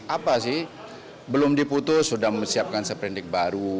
apa sih belum diputus sudah siapkan seprendik baru